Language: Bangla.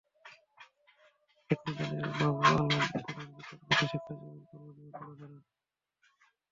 অনুষ্ঠানে অ্যাটর্নি জেনারেল মাহবুবে আলম প্রধান বিচারপতির শিক্ষাজীবন, কর্মজীবন তুলে ধরেন।